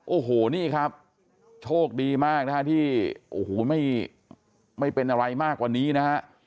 โอ้โหนี่ครับโชคดีมากนะฮะที่โอ้โหไม่เป็นอะไรมากกว่านี้นะฮะ